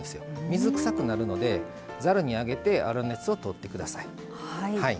水くさくなるのでざるに上げて粗熱をとってください。